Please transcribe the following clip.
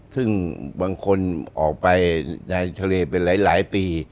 ซึ่งบางคนออกไปในทะเลไปหลายปี